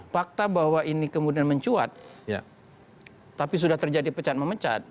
fakta bahwa ini kemudian mencuat tapi sudah terjadi pecat memecat